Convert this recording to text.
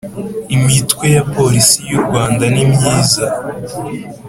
imitwe ya polisi y u rwanda ni myiza